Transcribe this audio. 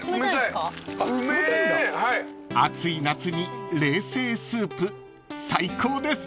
［暑い夏に冷製スープ最高です］